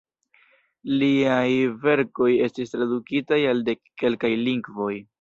Liaj verkoj estis tradukitaj al dek kelkaj lingvoj.